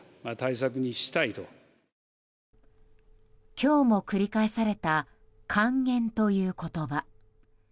今日も繰り返された還元という言葉。